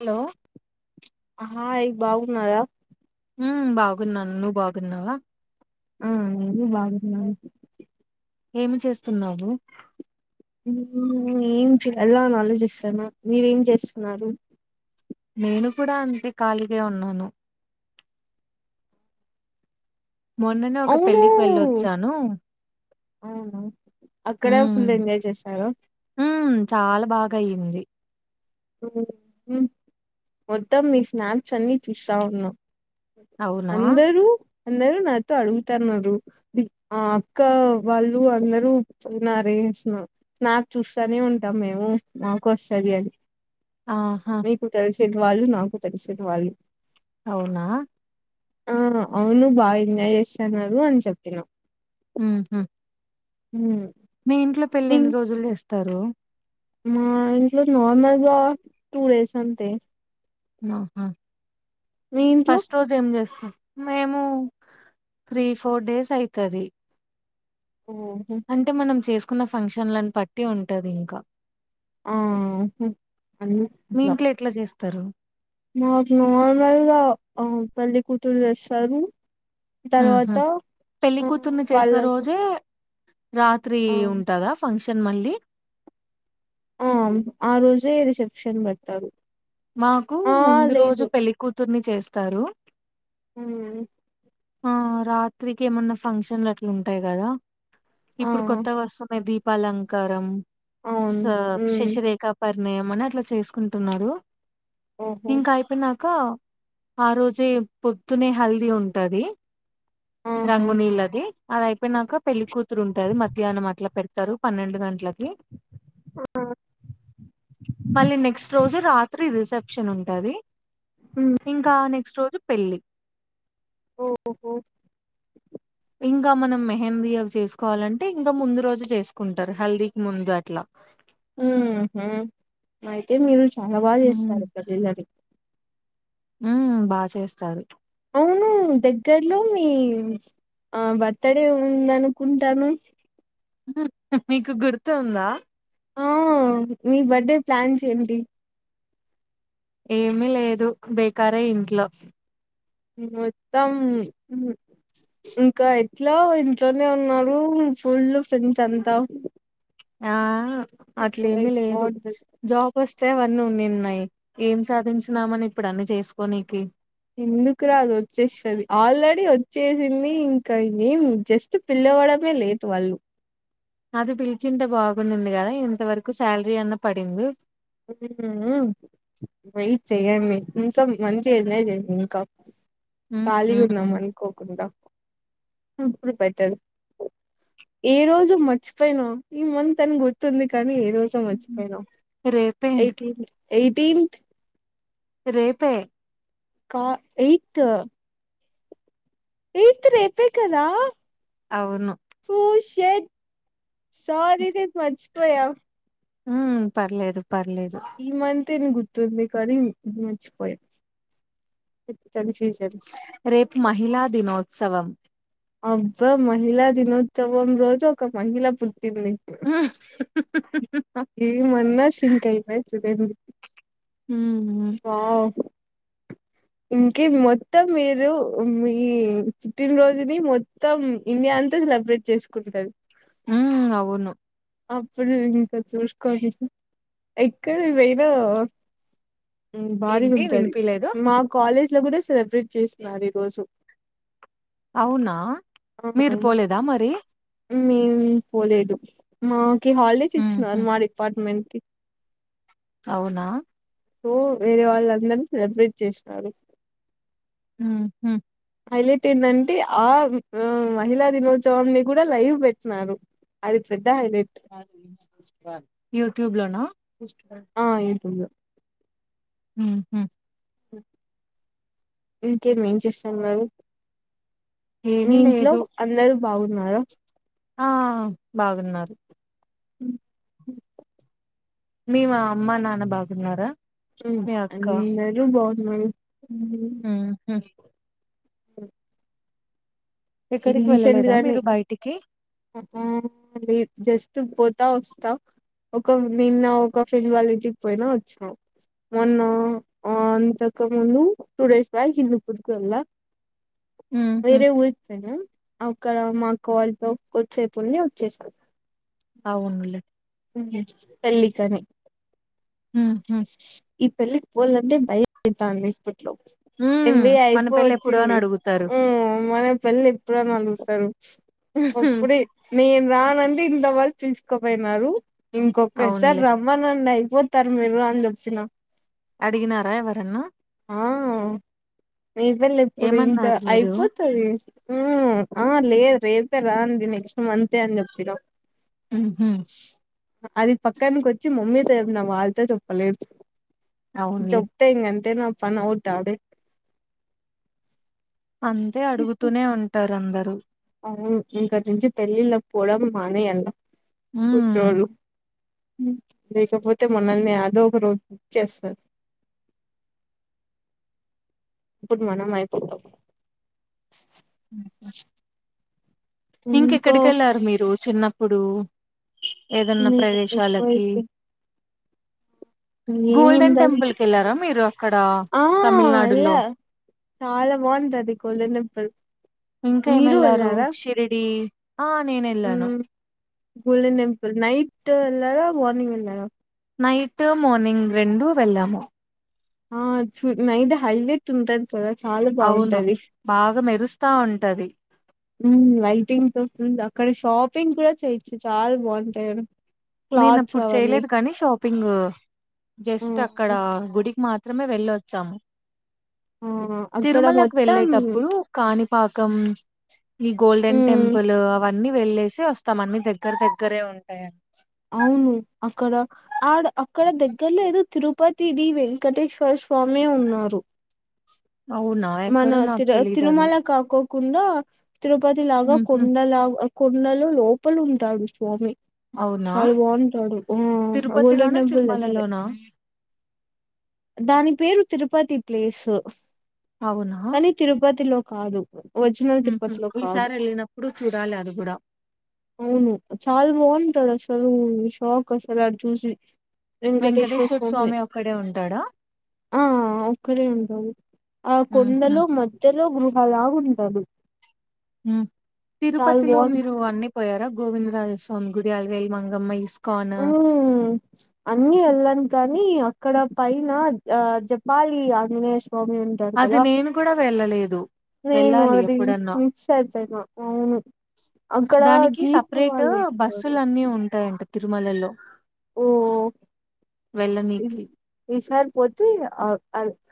Hello అహా అయ్ బాగునార ఉ బాగున్నాను నువ్వు బాగున్నావా ఆ నేను బాగునా ఏమి చేస్తున్నావు ఏం జెయ్యల్ల అని ఆలోచిస్తన్న మీరేం జేస్తున్నారు నేను కూడా అంతే ఖాళీనే ఉన్నాను మొన్ననే ఒక అవును పెళ్ళికి వెళ్ళొచ్చాను అవును అక్కడే హ్మ్. ఫుల్లెంజాయ్ జేశారా హ్మ్. చాలా బాగా అయింది. మొత్తం మీ స్నాప్స్ అన్ని చూస్తా ఉన్నాం అవునా? అందరు అందరూ నాతో అడుగుతన్నారు ఆ అక్క వాళ్ళు అందరూతున్నారే నాకు చూస్తానే ఉంటాం మేము నాకు వస్తుది అని ఆహా మీకు తెలిసిన వాళ్ళు నాకు తెలిసిన వాళ్ళు అవునా ఆ అవును బాగా ఎంజాయ్ జేస్సన్నారు అని జెప్పినా ఊహు ఉ మీ ఇంట్లో పెళ్లి ఎన్ని రోజులు జేస్తారు మా ఇంట్లో నార్మల్గా టూ డేస్ అంతే ఆహా మీ ఇంట్లో ఫస్ట్ రోజు ఏం జేస్స మేము త్రీ ఫోర్ డేస్ అయితుది ఓహో అంటే మనం చేసుకున్న ఫంక్షన్లను బట్టి ఉంటది ఇంకా ఆ మీ ఇంట్లో ఎట్లా జేస్తారు? మాకు నార్మల్గా పెల్ల కూతుర జేస్తారు హుహు. తర్వాత పెళ్లి ఆ కూతుర్ని చేసిన వాళ్ళకు రోజే రాత్రి ఆ ఉంటదా ఫంక్షన్ మళ్ళీ ఆ ఆ రోజే రిసెప్షన్ పెడతారు మాకు ఆ ముందు రోజు లేదు పెళ్లికూతుర్ని చేస్తారు మ్మ్ ఆ రాత్రికి ఏమన్నా ఫంక్షన్లు అట్లా ఉంటాయి కదా ఆ ఇప్పుడు కొత్తగా వస్తున్నాయి దీపాలంకారం స అవును మ్మ్ శశిరేఖ పరిణయం అని అట్లా చేసుకుంటున్నారు ఓహో ఇంకా అయిపోయినాక ఆ రోజే పొద్దునే హెల్దీ ఉంటుంది ఉంటది ఆహా రంగు నీళ్ళది అది అయిపోయినాక పెళ్లి కూతురు ఉంటుది మధ్యాహ్నం అట్లా పెడ తారు పనిండుగంటలకి మళ్ళీ నెక్స్ట్ రోజు రాత్రి రిసెప్షన్ ఉంటుంది మ్మ్ ఇంకా నెక్స్ట్ రోజు పెళ్లి ఓహఓహో ఇంకా మనం మెహందీ అ చేసుకోవాలంటే ఇంకా ముందు రోజు చేసుకుంటారు హెల్దీకి ముందు అట్లా ఉ అయితే మీరు చాలా బాగా ఉ చేస్తారు పెళ్లి [inaudible] ఉ బాగా చేస్తారు అవును దగ్గర్లో మీ ఆ బర్త్డే ఉందనుకుంటాను నీకు గుర్తు ఉందా ఆ మీ బర్త్డే ప్లాన్ చేయండి ఏమి లేదు బేకారే ఇంట్లో మొత్తం ఇంకా ఇట్లో ఇంట్లోనే ఉన్నారు ఫుల్ ఫ్రెండ్స్ అంతా ఆ అట్లేమి లేదు బాగుంటది జాబ్ వస్తే అవన్నీ అన్నినాయి ఏం సాధించినామని ఇప్పుడు అన్ని చేసుకోనీనికి ఎందుకు రాదు వచ్చేస్తుంది ఆల్రెడీ వచ్చేసింది ఇంకా నేం జస్ట్ పిల్ల వా లేట్ వాళ్లు అది పిలిచింత బాగుంది కదా ఇంత వరకు శాలరీ అన్నా పడింది వెయిట్ చెయ్యండి మీ ఇంకా మంచిగా ఏనదడి ఇంకా హ్మ్. ఖాళీ ఉన్నాం హ్మ్. అనుకోకుండా ఇప్పుడు పెట్టరు ఏ రోజు మర్చిపోయినా ఈ మంత్ అని గుర్తుంది కానీ రోజు మర్చిపోయిన రేపే ఎయిటీన్ రేపే కా ఎయిట్ ఎయిట్ రేపే కదా అవును సార ర మంచిపోయా ఉ పర్లేదు పర్లేదు తేని గుర్తుంది కానీ మర్చిపోయా కన్ఫ్యూజన్ రేపు మహిళా దినోత్సవం అబ్బ మహిళా దినోత్సవం రోజు ఒక మహిళ పుట్టింది హ్మ్. ఏ మనన్నా సింక్ అయిందా [inaudible] ఆ ఇంక మొత్తం మీరు మీ పుట్టినరోజుని మొత్తం ఇన్ని ఇండియా అంత సెలబ్రేట్ చేసుకుంటది ఉ అవును అప్పుడు ఇంకా చూసుకోడి ఎక్కడదైనా భారీగా ఏంటి ఉంటది వినిపిలేదు? మా కాలేజ్ ట్లో గుడ సెలబ్రేట్ చేస్తున్నారు ఈరోజు అవునా ఆ! మీరు పోలేదా మరి మేం పోలేదు మాకి హాలిడేస్ ఇచ్చినారు హుహు. మా డిపార్ట్మెంట్ అవునా ఓ వేరే వాళ్ళందరు సెలబ్రేట్ చేసినారు ఉహూ హైలైట్ ఏందంటే ఆ మహిళా దినోచ్చవంని కూడా లైవ్ పెట్నారు అది పెద్ యూట్యూబ్ లోనా ఆ! యూట్యూబ్‌లో. ఊహు ఇంకేమి ఏం చేస్తన్నరు మీ ఏమీ ఇంట్లో లేదు. అందరు బావున్నార ఆ బాగున్నారు మీ మా అమ్మ నాన్న బాగున్నారా ఉ మీ అందరూ బాగున్నారు ఊహు అ ఎక్కడికి రీసెండ్ వెళ్ళలేదా గనే మీరు బయటికి? అఆ లేదు జస్ తు పోతా వస్తా ఒకొ నిన్న ఒక ఫ్రెండ్ వాళ్ళ ఇంటికి పోయినా వచ్చాం మొన్న ఆ అంతక ముందు టూ డేస్ బ్యాక్ హిందూపుర్ కి వెళ్యా ఉ హు అక్కడ మా అక్క వాల్తో కొద్సేపుండి వచ్చేస్త అవుండ్లే పెళ్లి కని ఆహ ఈ పెళ్ళికి పోవాలంటే భయం అయితాంది ఇప్పట్లో హ్మ్. ఎంబిఏ మన పెళ్లెప్పుడు అని అయిపోవచ్చింది అడుగుతారు. ఊ మన పెళ్ళి ఎప్పుడని అలుగుతారు అప్పుడే నేన్ రాన్ పిల్సకపోయినారు ఇంకొకసారి అవునులే. రమ్మండి అయ్ పోతారు మీరు అన్ జొప్పిన అడిగినారా ఎవరన్నా ఆ నీపెళ్ళెప్పుడు ఇంకా ఏమన్నారు మీరు అయిపోతది ఊ ఆ లేదు రేపే రాండి నెక్స్ట్ మంతే అని జెప్పిన ఉహూ అది పక్కనికి వచ్చి మమ్మీతో చెప్పిన వాళ్ తో చెప్పలేదు అవునులే చొప్తే ఇంగంతే నాపనౌట్ ఆడే అంతే అడుగుతూనే ఉంటారు అందరూ అవును ఇంకట్నుంచి పెళ్ళిల్లకు పోడం మనేయల్ల ఊ కుచ్చోల్లు లేకపోతే మనల్ని యాదో ఒక రోజు బుక్ చేస్తార్ ఇప్పుడు మనమ్ అయిపోతామ్ ఇంకో ఇంకెక్కడికి ఎళ్ళారు మీరు చిన్నప్పుడు ఏదన్న మీ ప్రదేశాలకి గోల్డెన్ ఏముండదు టెంపుల్ కి వెళ్ళారా మీరు అక్కడ ఆ తమిళనాడులో వెళ్ళా చాలా బావుంటాది కొలె నొప్పుల్ ఇంకా ఏమెళ్లారు షిరిడి ఆ నేను ఎళ్ళాను హ్మ్ గోల్డెన్ టెంపుల్ నైటు ఎల్లార మార్నింగ్ వెల్లారా నైటూ మార్నింగ్ రెండు వెళ్ళాము ఆ చూ నైట్ హైలైట్ ఉంటది కదా చ్ అవును బాగా మెరుస్తా ఉంటది హ్ లైటింగ్ తో అక్కడ షాపింగ్ కూడా చేయ్యొచ్చు చాలా బాగుంటాయి ఆడ నేను క్లాత్స్ అప్పుడు అవన్నీ చేయలేదు కానీ షాప్ పింగ్ జస్ట్ అక్కడ హ్మ్ గుడికి మాత్రమే వెళ్లొచ్చాం ఆ అక్కడ తిరుమలకి మొత్తం వెళ్ళేటప్పుడు కాని పాకం ఈ గోల్డెన్ హ్మ్ టెంపుల్ అవ్ అన్నీ వెళ్లేేసి వస్తాం అన్ని దగ్గర దగ్గరే ఉంటాయని అవును అక్కడ ఆడ అక్కడ దగ్గర్లో ఏదో తిరుపతిది వెంకటేశ్వర స్వా స్వామి ఉన్నారు అవునా మన ఎక్కడో నాకు తిరు తెలీదు అది తిరుమల కాకో కుండా తిరుపతి లాగా ఉహు కొండలాగ కొండలు లోపల ఉంటాడు స్వామి అవునా చాలా బాగుంటాడు ఆ గోల్డెన్ తిరుపతిలోనా టెంపుల్ దగ్గరే తిరుమలలోనా దాని పేరు తిరుపతి ప్లేసు అవునా కానీ తిరుపతిలో కాదు ఒరిజినల్ ఉహు తిరుపతిలో కాదు ఈసారి ఏళ్ళినప్పుడు చూడాలి అది కూడా అవును చాల బాగుంటాడు అసలు షాక్ అసలు అడ్ చూసి వెంకటేశ్వర స్వామి ఆ ఒక్కరే ఉంటారు ఆ ఉహు కొండలో మధ్యలో గుహలా ఉంటది తిరుపతిలో మీరు అన్నీ పోయారా గోవింద్ రాజా స్వామి గుడి అల్వేలు మంగమ్మ ఇస్ ఉ అన్నీ ఎల్లాన్ కన్ నీ అక్కడ పైన ఆ జపాలి ఆంజనేయ స్వామి స్వామి ఉంటాడు అది కదా నేను కూడా వెళ్ళలేదు నేను వెళ్ళాలి అది ఎప్పుడన్నా మిస్ అయిపెనా అవును అక్కడ దానికి జీప్ సపరేట్ వాళ్ళు ఉంటారు బస్సులన్నీ ఉంటాయంట తిరుమలలో ఓ ఇ- వెళ్ళనీకి ఈసారి పోతే ఆ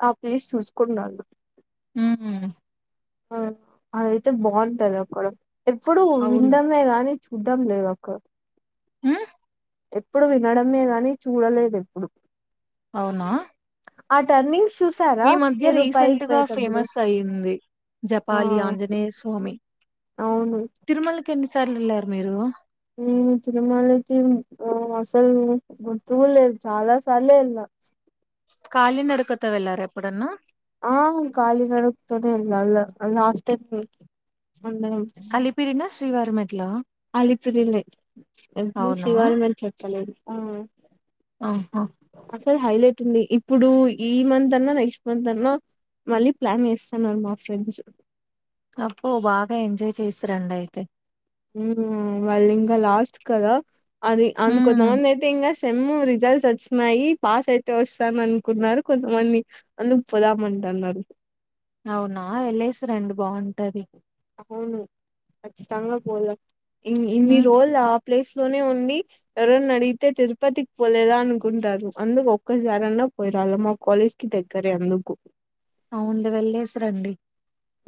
ఆ ప్లేస్ చూసుకొని రాండి ఉహు అహ్ అదయితే బాగుంటంది అక్కడ ఎప్పుడు అవును విండమే కానీ చూడ్డం లేవక్క ఉహ్ ఎప్పుడు వినడమే గాని చూడలేదు ఎప్పుడు అవునా ఆ టర్నింగ్స్ చూసారా ఈ మధ్య మీరు పైకి రీసెంట్గా పోయేటప్పుడు ఫేమస్ అయ్యింది ఆ జపాలి ఆంజనేయ స్వామి అవును తిరుమలకి ఎన్ని సార్లెల్లారు మీరు హు తిరుమలకి అసలు గుర్తుకూడా లేదు చాలా సార్లే ఏళ్ళా కాళీ నడుకతో వెళ్ళారా ఎప్పుడన్నా ఆ కాలి నడుకతోనే వెళ్ళాల్లా ఆ లాస్ట్ టైం కి అలిపిరిన శ్రీవారిమెట్లా అలిపిరినే ఎప్పుడు అవునా? శ్రీవారి మెట్లు ఎక్కలేదు ఆహా తుంది ఇప్పుడు ఈ మంత్ అన్నా నెక్స్ట్ మంత్ అన్నా మళ్ళీ ప్లాన్ ఏస్తున్నారు మా ఫ్రెండ్స్ అబ్బో బాగా ఎంజాయ్ చేసి రండయితే హు వాళ్ళింక లాస్ట్ కదా అది అందుకు హ్మ్. కొంతమందయితే ఎంజెస్ సెమ్ రిజల్ట్స్ వచ్చినయి పాస్ అయితే వస్తామనుకున్నారు కొంతమంది అందుకు పోదామన్ టన్నారు అవునా వెళ్లేసి రండి బాగుంటది. అవును ఖచ్చితంగా పోల్ల ఇన్ ఇన్ని హ్మ్. రోజుల ప్లేస్ లోనే ఉండి ఎవరన్న అడిగితే తిరుపతికి పోలేదా అనుకుంటారు అందుకు ఒక్కసారైనా పోయి రాల్ల మా కాలేజ్కి దగ్గరే అందుకు అవున్లే వెళ్లేసి రండి.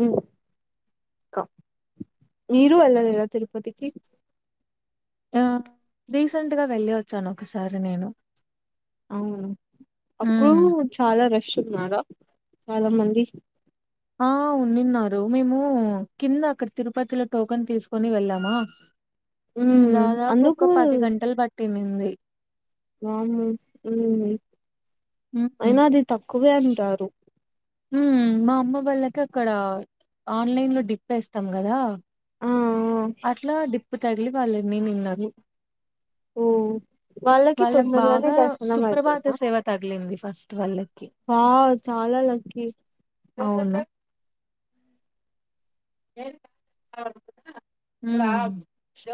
ఇంగ కా మీరు వెళ్ళలేదా తిరుపతికి ఆ రీసెంట్గా వెళ్ళి వచ్చాను ఒకసారి నేను అవును. అప్పుడు హ్మ్. చాలా రష్ వస్తున్నారా చాలా మంది ఆ ఉన్నిన్నారు మేము కింద అక్కడ తిరుపతిలో టోకన్ తీసుకొని వెళ్ళామా ఉమ్ దాదాపు అందుకు ఒక పది గంటలు పట్టిన్నింది. వామ్మో ఎందిది. ఉహు అయినా అది తక్కువే అంటారు. మ్. మా అమ్మ వాళ్ళకి అక్కడ ఆన్లైన్ లో డిప్పే ఇస్తాం కదా ఆ ఆ అట్లా డిప్పు తగిలి వాళ్ళు ఉన్నిన్నారు. ఓ వాళ్ళకి వాళ్ళకు తొందరగానే బాగా దర్శనం సుప్రభాత సేవ తగిలింది ఫస్ వావ్ చాలా లక్కీ. అవును. మ్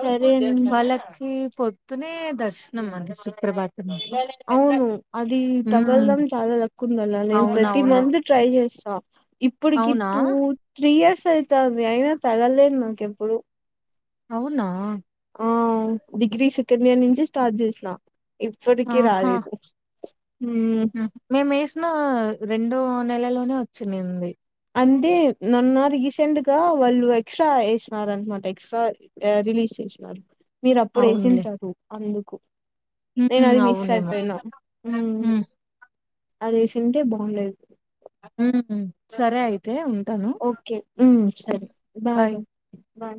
సరే అండి వాళ్ళకి పొద్దునే దర్శనం అంట సుప్రభా అవును అది హ్మ్ తగలడం చాలా లక్కుండల్లా నేను ప్రతి అవునవును మంత్ ట్రై చేస్ స్సా ఇప్పుడికి అవునా టూ త్రీ ఇయర్స్ అయితాంది అయినా తగలేదు నాకేప్పుడు అవునా ఆ డిగ్రీ సెకండ్ ఇయర్ నుంచి స్టార్ట్ చేసినా ఆహా! మ్మ్ మేమేసినా రెండో నెలలోనే వచ్చిన్నింది. అంతే మొన్న రీసెంట్గా వాళ్ళు ఎక్స్ట్రా ఎసినారనమాట ఎక్స్ట్రా రిలీజ్ చేసినారు. మీరు అవునులే అప్పుడేసింటారు అందుకు నేను హ్మ్ అది మిస్ అవునేమో ఆయిపోయినా మ్ హ్మ్ అదేసింటే బాగ్లేదు. మ్ సరే అయితే ఉంటాను ఓకే మ్ సరే బాయ్ బాయ్ బాయ్